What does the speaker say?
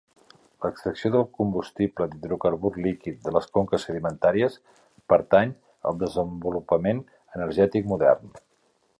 L'extracció del combustible d'hidrocarbur líquid de les conques sedimentàries pertany al desenvolupament energètic modern.